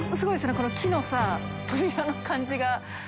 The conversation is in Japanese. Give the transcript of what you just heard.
この木のさ扉の感じが。